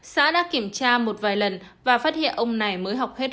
xã đã kiểm tra một vài lần và phát hiện ông này mới học hết